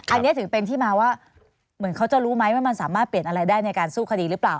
อันนี้ถึงเป็นที่มาว่าเหมือนเขาจะรู้ไหมว่ามันสามารถเปลี่ยนอะไรได้ในการสู้คดีหรือเปล่า